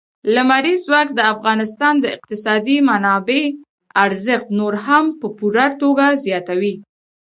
لمریز ځواک د افغانستان د اقتصادي منابعم ارزښت نور هم په پوره توګه زیاتوي.